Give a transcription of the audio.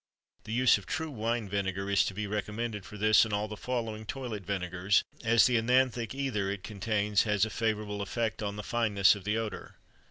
The use of true wine vinegar is to be recommended for this and all the following toilet vinegars, as the œnanthic ether it contains has a favorable effect on the fineness of the odor.